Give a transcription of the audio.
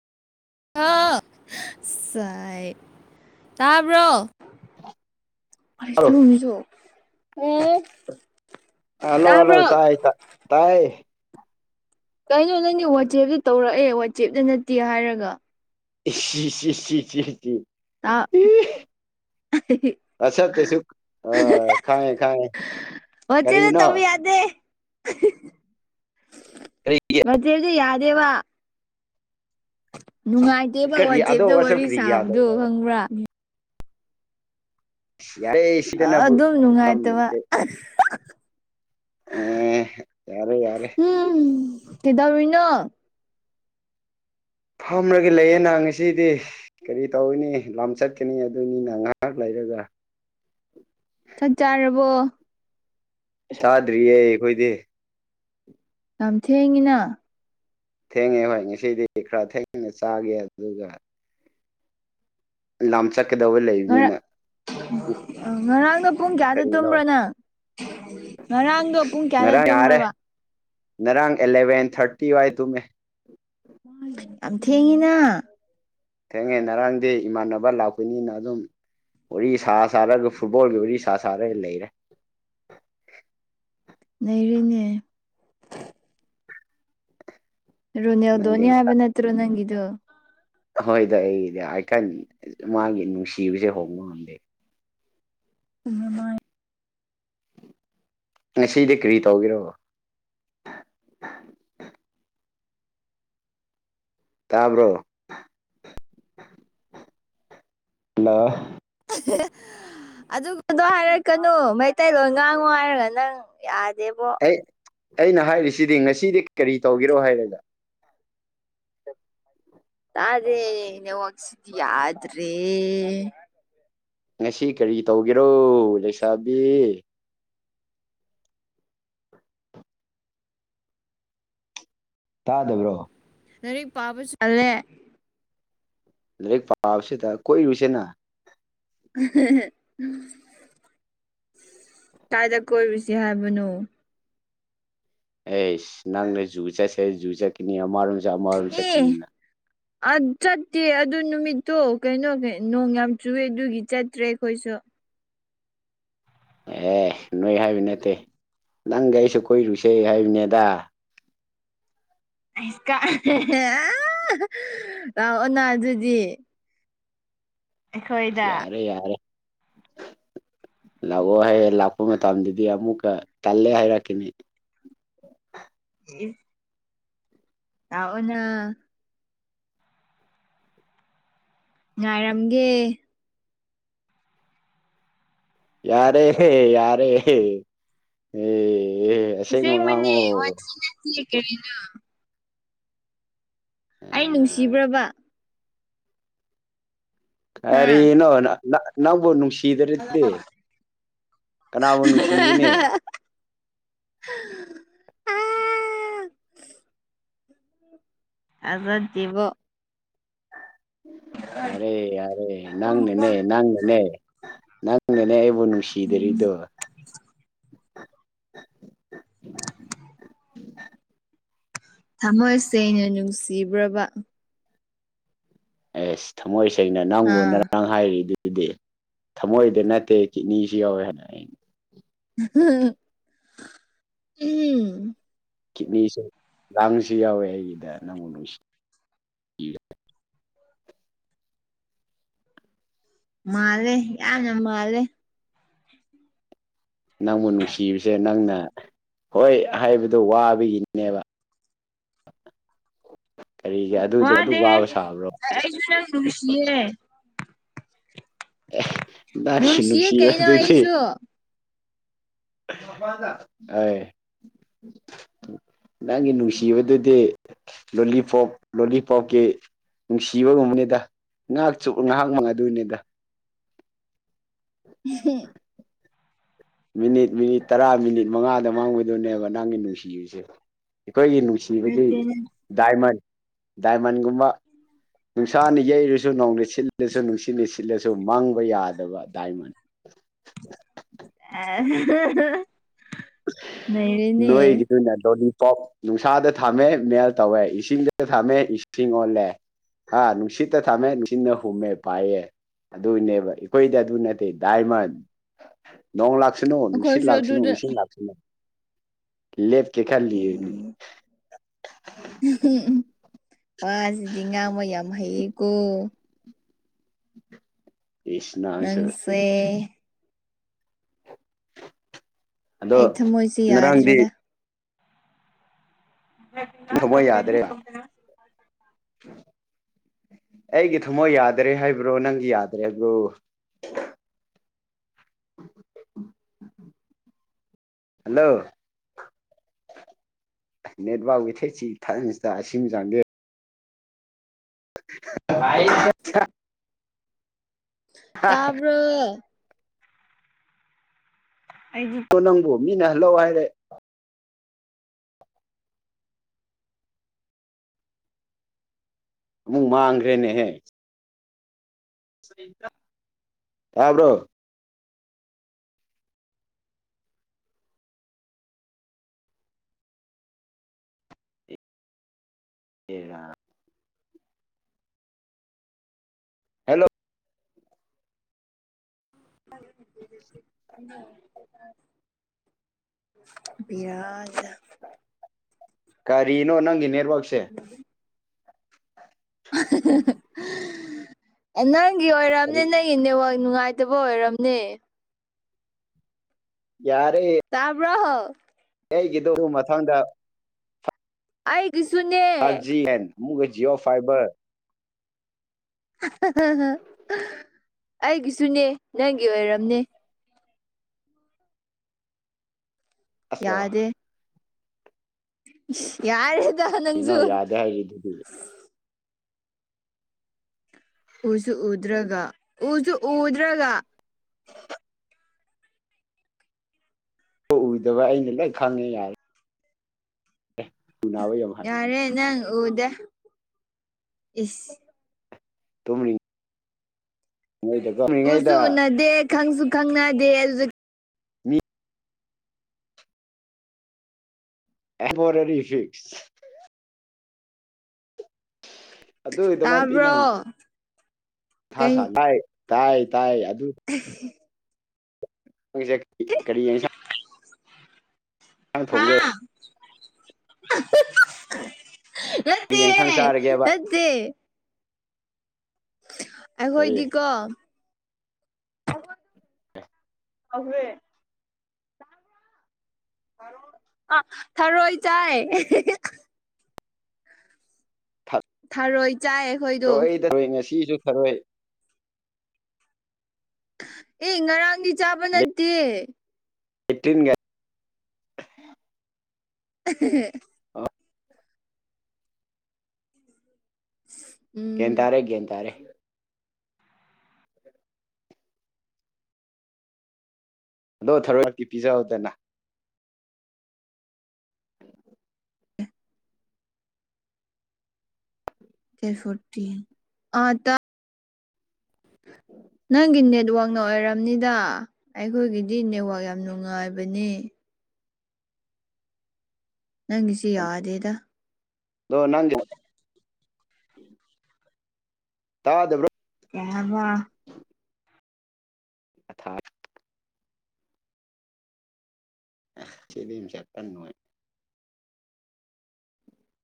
ꯑꯥ ꯁꯥꯏ ꯇꯥꯕ꯭ꯔꯣ ꯍꯜꯂꯣ ꯑꯩꯖꯨꯆꯨ ꯎꯝ ꯍꯜꯂꯣ ꯍꯜꯂꯣ ꯇꯥꯏ ꯇ ꯇꯥꯏ ꯀꯩꯅꯣ ꯅꯪꯗꯤ ꯋꯥꯆꯦꯞꯇ ꯇꯧꯔꯛꯑꯦ ꯋꯥꯆꯦꯞꯇ ꯅꯠꯇꯦ ꯍꯥꯏꯔꯒ ꯏꯁ ꯁꯤ ꯁꯤ ꯁꯤꯆꯤ ꯆꯤ ꯇꯥꯞ [unintelligible] ꯑꯥ ꯁꯠꯇꯦꯁꯨ ꯑꯥ ꯈꯪꯉꯦ ꯈꯪꯉꯦ ꯋꯥ ꯆꯦꯞꯇ ꯀꯔꯤꯅꯣ ꯇꯧꯕ ꯌꯥꯗꯦ ꯀꯩꯒꯤ ꯋꯥꯆꯦꯞꯇ ꯌꯥꯗꯦꯕ ꯅꯨꯡꯉꯥꯢꯇꯦꯕ ꯀꯔꯤ ꯑꯗꯣ ꯋꯥꯆꯦꯞꯇ ꯋꯥꯔꯤ ꯋꯥꯆꯞ ꯀꯔꯤꯒꯤ ꯁꯥꯕꯗꯣ ꯌꯥꯗꯕꯅꯣ ꯈꯪꯕ꯭ꯔꯥ ꯃꯦ__ ꯑꯁ ꯌꯥꯔꯦ ꯁꯤꯗꯅꯕꯨ ꯑꯗꯨꯝ ꯌꯥꯝ ꯅꯨꯡꯉꯥꯢꯇꯕ ꯑꯦꯍꯦ ꯌꯥꯔꯦ ꯌꯥꯔꯦ ꯎꯝ ꯀꯩꯗꯧꯔꯤꯅꯣ ꯐꯝꯔꯒ ꯂꯩꯌꯦꯅ ꯉꯁꯤꯗꯤ ꯀꯔꯤ ꯇꯧꯋꯤꯅꯤ ꯂꯝ ꯆꯠꯀꯅꯤ ꯑꯗꯨꯅꯤꯅ ꯉꯥꯢꯍꯥꯛ ꯂꯩꯔꯒ ꯆꯥꯛ ꯆꯥꯔꯕꯣ ꯆꯥꯗ꯭ꯔꯤꯌꯦ ꯑꯩꯈꯣꯢꯗꯤ ꯌꯥꯝ ꯊꯦꯡꯉꯤꯅ ꯊꯦꯡꯉꯦ ꯍꯣꯢ ꯉꯁꯤꯗꯤ ꯈꯔ ꯊꯦꯡꯅ ꯆꯥꯒꯦ ꯑꯗꯨꯒ ꯂꯥꯝ ꯆꯠꯀꯗꯧꯕ ꯂꯩꯕꯅꯤꯅ ꯑꯥ ꯉꯔꯥꯡꯅ ꯄꯨꯡ ꯀꯌꯥꯗ ꯀꯔꯤꯅꯣ ꯇꯨꯝꯕ꯭ꯔꯥ ꯅꯪ ꯉꯔꯥꯡꯗꯣ ꯄꯨꯡ ꯀꯌꯥꯗ ꯉꯔꯥꯡ ꯌꯥꯔꯦ ꯇꯨꯝꯕ꯭ꯔꯕ ꯉꯔꯥꯡ ꯑꯦꯂꯚꯦꯟ ꯊꯥꯔꯇꯤ ꯋꯥꯢ ꯇꯨꯝꯃꯦ ꯌꯥꯝ ꯊꯦꯡꯉꯤꯅ ꯊꯦꯡꯉꯦ ꯅꯔꯥꯡꯗꯤ ꯏꯃꯥꯟꯅꯕ ꯂꯥꯛꯄꯅꯤꯅ ꯑꯗꯨꯝ ꯋꯥꯔꯤ ꯁꯥ ꯁꯥꯔꯒ ꯐꯨꯠꯕꯣꯜꯒꯤ ꯋꯥꯔꯤ ꯁꯥ ꯁꯥꯔꯒ ꯂꯩꯔꯦ ꯅꯩꯔꯦꯅꯦ ꯅꯪꯗꯤ ꯔꯣꯅꯦꯜꯗꯣꯅꯤ ꯍꯥꯢꯕ ꯅꯠꯇ꯭ꯔꯣ ꯅꯪꯒꯤꯗꯣ ꯍꯣꯢ ꯗ ꯑꯩꯗꯤ ꯑꯥꯏꯀꯟ ꯃꯥꯒꯤ ꯅꯨꯡꯁꯤꯕꯁꯦ ꯍꯣꯡꯕ ꯉꯝꯗꯦ ꯎꯝꯅꯃꯥꯏ ꯉꯁꯤꯗꯤ ꯀꯔꯤ ꯇꯧꯒꯦꯔꯣ ꯇꯕ꯭ꯔꯣ ꯍꯜꯂꯣ [inaudible] ꯑꯗꯨꯒꯗꯣ ꯍꯥꯢꯔꯛꯀꯅꯨ ꯃꯩꯇꯩ ꯂꯣꯟ ꯉꯥꯡꯉꯨ ꯍꯥꯢꯔꯒ ꯅꯪ ꯌꯥꯗꯦꯕꯣ ꯑꯩ ꯑꯩꯅ ꯍꯥꯢꯔꯤꯁꯤꯗꯤ ꯉꯁꯤꯗꯤ ꯀꯔꯤ ꯇꯧꯒꯦꯔꯣ ꯍꯥꯢꯔꯒ ꯇꯥꯗꯦ ꯅꯦꯠꯋꯥꯛꯁꯤ ꯌꯥꯗ꯭ꯔꯦ ꯉꯁꯤ ꯀꯔꯤ ꯇꯧꯒꯦꯔꯣ ꯂꯩꯁꯥꯕꯤ ꯇꯥꯗꯕ꯭ꯔꯣ ꯂꯥꯏꯔꯤꯛ ꯄꯥꯕ ꯆꯠꯂꯦ ꯂꯥꯏꯔꯤꯛ ꯄꯥꯕꯁꯤꯗ ꯀꯣꯏꯔꯨꯁꯦꯅ ꯀꯥꯏꯗ ꯀꯣꯏꯔꯨꯁꯤ ꯍꯥꯏꯕꯅꯣ ꯑꯦꯁ ꯅꯪꯅ ꯖꯨ ꯆꯠꯁꯦ ꯖꯨ ꯆꯠꯀꯅꯤ ꯑꯃꯔꯣꯝ ꯆꯠ ꯑꯃꯔꯣꯝ ꯆꯠꯀꯅꯤꯅ ꯑ ꯆꯠꯇꯦ ꯑꯗꯨ ꯅꯨꯃꯤꯠꯇꯣ ꯀꯩꯅꯣ ꯅꯣꯡ ꯌꯥꯝ ꯆꯨꯌꯦ ꯑꯗꯨꯒꯤ ꯆꯠꯇ꯭ꯔꯦ ꯑꯩꯈꯣꯏꯁꯨ ꯑꯦ ꯅꯣꯏ ꯍꯥꯏꯕ ꯅꯠꯇꯦ ꯅꯪꯒ ꯑꯩꯁꯨ ꯀꯣꯏꯔꯨꯁꯦ ꯍꯥꯏꯕꯅꯦꯗ [unintelligible] ꯑꯩꯈꯣꯏꯗ ꯌꯥꯔꯦ ꯌꯥꯔꯦ [inaudible] ꯂꯥꯛꯑꯣ ꯍꯥꯢꯔ ꯂꯥꯛꯄ ꯃꯇꯝꯗꯗꯤ ꯑꯃꯨꯛꯀ ꯇꯜꯂꯦ ꯍꯥꯢꯔꯛꯈꯤꯅꯤ [inaudible] ꯂꯥꯛꯎꯅ ꯉꯥꯢꯔꯝꯒꯦ ꯌꯥꯔꯦꯍꯦ ꯌꯥꯔꯦꯍꯦ ꯑꯦ ꯑꯁꯦꯡꯕ ꯑꯁꯦꯡꯕꯅꯦ ꯉꯥꯡꯑꯣ [unintelligible] ꯑꯩ ꯅꯨꯡꯁꯤꯕ꯭ꯔꯕ ꯍꯥ ꯀꯔꯤ ꯅꯣ ꯅ ꯅ ꯅꯪꯕꯨ ꯅꯨꯡꯁꯤ ꯁꯤꯗ꯭ꯔꯗꯤ ꯀꯅꯥꯕꯨ ꯅꯨꯡꯁꯤꯒꯅꯤ ꯃꯗꯤꯕꯣ ꯌꯥꯔꯦ ꯌꯥꯔꯦ ꯅꯪꯅꯅꯦ ꯅꯪꯅꯅꯦ ꯅꯪꯅꯅꯦ ꯑꯩꯕꯨ ꯅꯨꯡꯁꯤ ꯗꯔꯤꯗꯣ ꯊꯃꯣꯏ ꯁꯦꯡꯅ ꯅꯨꯡꯁꯤꯕ꯭ꯔꯕ ꯑꯦꯁ ꯊꯝꯃꯣꯏ ꯁꯦꯡꯅ ꯅꯪꯕꯨ ꯑꯥ ꯎꯅꯔꯥ ꯍꯥꯏꯔꯤꯗꯨꯗꯤ ꯊꯝꯃꯣꯏꯗ ꯅꯠꯇꯦ ꯀꯤꯠꯅꯤꯁꯨ ꯌꯥꯎꯋꯦ ꯍꯥꯏꯅ ꯑꯩꯅ ꯎꯝ ꯀꯤꯠꯅꯤꯁꯦ ꯂꯥꯡꯁꯨ ꯌꯥꯎꯋꯦ ꯑꯩꯒꯤꯗ ꯅꯪꯕꯨ ꯅꯨꯡꯁꯤ [unintelligible] ꯃꯥꯜꯂꯦ ꯌꯥꯝꯅ ꯃꯥꯜꯂꯦ ꯅꯪꯕꯨ ꯅꯨꯡꯁꯤꯕꯁꯦ ꯅꯪꯅ ꯍꯣꯏ ꯍꯥꯏꯕꯗꯣ ꯋꯥꯕꯒꯤꯅꯦꯕ ꯀꯔꯤꯒꯤ ꯑꯗꯨꯗꯣ ꯑꯗꯨꯛ ꯋꯥꯗꯦꯍꯦ ꯋꯥꯕ ꯁꯥꯕ꯭ꯔꯣ ꯑꯩꯁꯨ ꯅꯪ ꯅꯨꯡꯁꯤꯌꯦ ꯑꯦ ꯅꯪꯒꯤ ꯅꯨꯡꯁꯤꯌꯦ ꯅꯨꯡꯁꯤꯕ ꯀꯩꯅꯣ ꯑꯗꯨꯗꯤ ꯑꯩꯁꯨ ꯑꯩ ꯅꯪꯒꯤ ꯅꯨꯡꯁꯤꯕꯗꯨꯗꯤ ꯂꯣꯂꯤꯄꯣꯞ ꯂꯣꯂꯤꯄꯣꯞꯀꯤ ꯅꯨꯡꯁꯤꯕꯒꯨꯝꯕꯅꯤꯗ ꯉꯥꯏꯍꯥꯛ ꯆꯨꯞ ꯉꯥꯏꯍꯥꯛ ꯃꯪ ꯑꯗꯨꯅꯤꯗ [unintelligible] ꯃꯤꯅꯤꯠ ꯃꯤꯅꯤꯠ ꯇꯔꯥ ꯃꯤꯅꯤꯠ ꯃꯉꯥꯗ ꯃꯥꯡꯕꯗꯨꯅꯦꯕ ꯅꯪꯒꯤ ꯅꯨꯡꯁꯤꯕꯁꯦ ꯑꯩꯈꯣꯏꯒꯤ ꯅꯨꯡꯁꯤ ꯕꯗꯤ ꯅꯠꯇꯦ ꯅꯠꯇꯦ ꯗꯥꯏꯃꯟ ꯗꯥꯏꯃꯟꯒꯨꯝꯕ ꯅꯨꯡꯁꯥꯅ ꯌꯩꯔꯁꯨ ꯅꯣꯡꯅ ꯁꯤꯠꯂꯁꯨ ꯅꯨꯡꯁꯤꯠꯅ ꯁꯤ ꯁꯤꯠꯂꯁꯨ ꯃꯥꯡꯕ ꯌꯥꯗꯕ ꯗꯥꯏꯃꯟ ꯑꯦ [unintelligible] ꯅꯣꯏꯒꯤꯗꯨꯅ ꯂꯣꯂꯤꯄꯣꯞ ꯅꯨꯡꯁꯥꯗ ꯊꯝꯃꯦ ꯃꯦꯜ ꯇꯧꯋꯦ ꯏꯁꯤꯡꯗ ꯊꯝꯃꯦ ꯏꯁꯤꯡ ꯑꯣꯜꯂꯦ ꯍꯥꯥ ꯅꯨꯡꯁꯤꯠꯇ ꯊꯝꯃꯦ ꯅꯨꯡꯁꯤꯅ ꯍꯨꯝꯃꯦ ꯄꯥꯏꯌꯦ ꯑꯗꯨꯅꯦꯕ ꯑꯩꯈꯣꯏꯗꯤ ꯑꯗꯨ ꯅꯠꯇꯦ ꯗꯥꯏꯃꯟ ꯅꯣꯡ ꯂꯥꯛ ꯂꯥꯛꯁꯤꯅꯣ ꯅꯨꯡꯁꯤꯠ ꯑꯩꯈꯣꯏꯁꯨ ꯂꯥꯛꯁꯤꯅꯣ ꯑꯗꯨꯗ ꯏꯁꯤꯡ ꯂꯥꯛꯁꯤꯅꯣ ꯂꯦꯞꯀꯦ ꯈꯜꯂꯤꯌꯦ ꯑꯩꯗꯤ ꯋꯥ ꯁꯤꯗꯤ ꯉꯥꯡꯕ ꯌꯥꯝ ꯍꯩꯌꯦꯀꯣ ꯏꯁ ꯅꯪꯁꯨ ꯍꯣꯌꯦ ꯑꯗꯣ ꯑꯩ ꯊꯃꯣꯏꯁꯦ ꯉꯔꯥꯡꯗꯤ ꯌꯥꯗ꯭ꯔꯦꯗ ꯊꯃꯣꯏ ꯌꯥꯗ꯭ꯔꯦ [unintelligible] ꯑꯩꯒꯤ ꯊꯃꯣꯏ ꯌꯥꯗ꯭ꯔꯦ ꯍꯥꯏꯕ꯭ꯔꯣ ꯅꯪꯒꯤ ꯌꯥꯗ꯭ꯔꯦ ꯍꯥꯏꯕ꯭ꯔꯣ ꯍꯜꯂꯣ ꯅꯦꯠꯋꯥꯛ [unintelligible] [unintelligible] [inaudible] ꯇꯥꯕ꯭ꯔꯣ ꯑꯩꯗꯤ [unintelligible] ꯅꯪꯕꯨ ꯃꯤꯅ ꯍꯜꯂꯛꯑꯣ ꯍꯥꯏꯔꯦ ꯑꯃꯨꯛ ꯃꯥꯡꯈ꯭ꯔꯦꯅꯦꯍꯦ ꯇꯥꯕ꯭ꯔꯣ ꯑꯦ ꯔꯥ ꯍꯜꯂꯣ [inaudible] ꯕꯦꯔꯥꯅꯤꯗ ꯀꯔꯤꯅꯣ ꯅꯪꯒꯤ ꯅꯦꯠꯋꯥꯛꯁꯦ [inaudible] [unintelligible] ꯅꯪꯒꯤ ꯑꯣꯏꯔꯝꯅꯤ ꯀꯔꯤ ꯅꯪ ꯒꯤ ꯅꯦꯠꯋꯥꯥꯛ ꯅꯨꯡꯉꯥꯏꯇꯕ ꯑꯣꯏꯔꯝꯅꯤ ꯌꯥꯔꯦ ꯇꯥꯕ꯭ꯔꯣ ꯑꯩꯒꯤꯗꯨꯕꯨ ꯃꯊꯪꯗ ꯑꯩꯒꯤꯁꯨꯨꯅꯦ five G and with Jio fibre [unintelligible] ꯑꯩꯒꯤꯁꯨꯅꯦ ꯅꯪꯒꯤ ꯑꯣꯏꯔꯝꯅꯤ ꯑꯁ ꯑꯣ ꯌꯥꯗꯦ ꯏꯁ ꯌꯥꯔꯦꯗ ꯅꯪꯁꯨꯨ ꯑꯩꯒꯤꯗꯨꯗꯤ ꯎꯁꯨꯨ ꯎꯗ꯭ꯔꯒ ꯎꯁꯨꯨ ꯎꯗ꯭ꯔꯒ [unintelligible] ꯎꯗꯕ ꯑꯩꯅ ꯂꯣꯏ ꯈꯪꯉꯦ ꯌꯥꯔꯦ ꯑꯦ ꯄꯨꯨꯅꯥ ꯑꯣꯏ ꯌꯧ [unintelligible] ꯌꯥꯔꯦ ꯅꯪ ꯎꯗꯦ ꯏꯁ ꯇꯨꯝꯃꯤ ꯎꯁꯨ ꯇꯨꯝꯔꯤꯉꯩꯗ ꯎꯅꯗꯦ ꯈꯪꯁꯨ ꯈꯪꯅꯗꯦ ꯃꯤ [unintelligible] ꯐꯤꯛꯁ ꯇꯥꯕ꯭ꯔꯣ ꯀꯩ ꯊꯥꯁꯥ ꯇꯥꯏ ꯇꯥꯏ ꯇꯥꯏ ꯑꯗꯨ [unintelligible] [unintelligible] ꯀꯔꯤ ꯌꯦꯟꯁꯥꯡ ꯊꯣꯡꯒꯦ ꯍꯥꯥ [unintelligible] ꯀꯔꯤ ꯅꯠꯇꯦ ꯌꯦꯟꯁꯥꯡ ꯆꯥꯔꯒꯦꯕ ꯅꯠꯇꯦ ꯀꯔꯤ ꯑꯩꯈꯣꯏꯗꯤꯀꯣ [unintelligible] ꯍꯧꯈ꯭ꯔꯦ ꯑꯥ ꯊꯔꯣꯏ ꯆꯥꯏ [unintelligible] ꯊꯔꯣꯏ ꯆꯥꯏ ꯑꯩꯈꯣꯏꯗꯣ ꯊꯔꯣꯏ ꯊꯔꯣꯏ ꯉꯁꯤꯁꯨ ꯊꯔꯣꯏ ꯑꯦ ꯉꯔꯥꯡꯗꯤ ꯆꯥꯕ ꯅꯠꯇꯦ ꯑꯦꯇꯤꯟꯒ [unintelligible] [unintelligible] ꯎꯝ ꯒꯌꯥꯟ ꯇꯥꯔꯦ ꯒꯌꯥꯟ ꯇꯥꯔꯦ ꯑꯗꯣ ꯊꯔꯣꯏ ꯕꯥꯎꯇꯤ ꯄꯤꯖꯧꯗꯅ ꯗꯦꯠ ꯐꯣꯔꯇꯤ ꯑꯥ ꯇꯥ ꯅꯪꯒꯤ ꯅꯦꯠꯋꯥꯔꯛ ꯅ ꯑꯣꯏꯔꯝꯅꯤꯗ ꯑꯩꯈꯣꯏꯒꯤꯗꯤ ꯅꯦꯠꯋꯥꯔꯛ ꯌꯥꯝ ꯅꯨꯡꯉꯥꯏꯕꯅꯦ ꯅꯪꯒꯤꯁꯤ ꯌꯥꯗꯦꯗ ꯑꯗꯨꯒ ꯅꯪ ꯇꯥꯗꯕ꯭ꯔꯣ ꯀꯩ ꯍꯥꯕ ꯑꯊꯥꯞ [unintelligible] ꯅꯨꯡꯉꯥꯢ